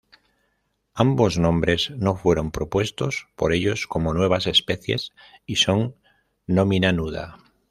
Ambos nombres no fueron propuestos por ellos como nuevas especies y son "nomina nuda".